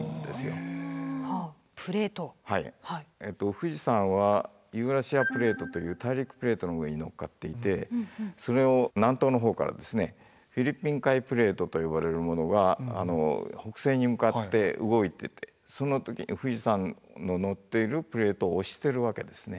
富士山はユーラシアプレートという大陸プレートの上にのっかっていてそれを南東の方からですねフィリピン海プレートと呼ばれるものが北西に向かって動いててその時に富士山ののっているプレートを押してるわけですね。